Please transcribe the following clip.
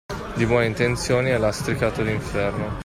Di buone intenzioni è lastricato l'inferno.